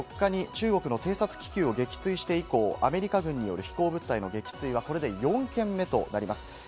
４日に中国の偵察気球を撃墜して以降、アメリカ軍による飛行物体の撃墜は、これで４件目となります。